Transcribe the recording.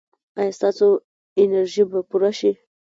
ایا ستاسو انرژي به پوره شي؟